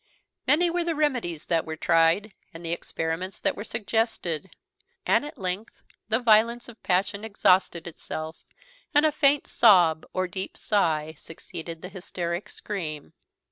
Many were the remedies that were tried and the experiments that were suggested; and at length the violence of passion exhausted itself, and a faint sob or deep sigh succeeded the hysteric scream.